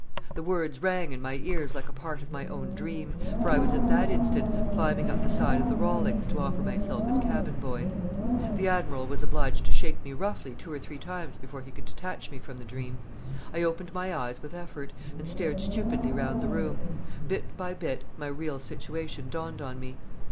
The words rang in my ears like a part of my own dream, for I was at that instant climbing up the side of the Rawlings to offer myself as cabin boy. The Admiral was obliged to shake me roughly two or three times before he could detach me from the dream. I opened my eyes with effort, and stared stupidly round the room. Bit by bit my real situation dawned on me.